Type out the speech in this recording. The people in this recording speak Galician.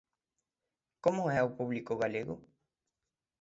Como é o público galego?